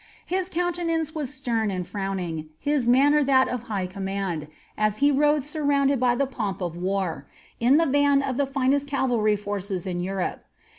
His countenance was stern and frowning, his manner tliat ot high command, as he rode surrounded by the pomp of war, in the van of the finest cavalry forces in Europe.